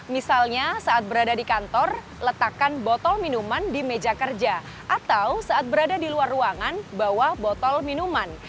misalnya saat berada di kantor letakkan botol minuman di meja kerja atau saat berada di luar ruangan bawa botol minuman